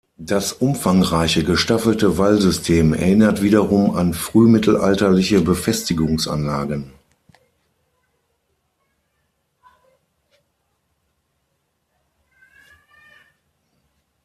Das umfangreiche, gestaffelte Wallsystem erinnert wiederum an frühmittelalterliche Befestigungsanlagen.